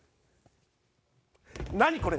何これ。